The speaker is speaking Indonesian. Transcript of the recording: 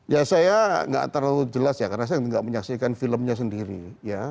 ya saya nggak terlalu jelas ya karena saya tidak menyaksikan filmnya sendiri ya